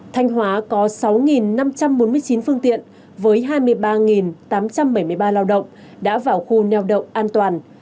thành hóa có sáu năm trăm bốn mươi chín phương tiện với hai mươi ba tám trăm bảy mươi ba lao động đã vào khu nèo động an toàn